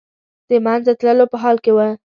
د منځه تللو په حال کې و.